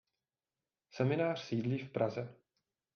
Seminář sídlí v Praze.